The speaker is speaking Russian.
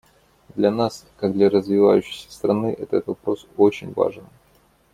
Для нас как для развивающейся страны этот вопрос очень важен.